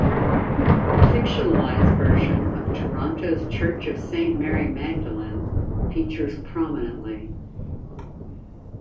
A fictionalised version of Toronto's Church of Saint Mary Magdalene features prominently.